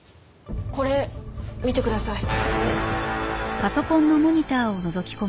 これ見てください。